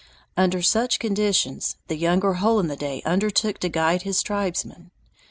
Under such conditions the younger Hole in the Day undertook to guide his tribesmen.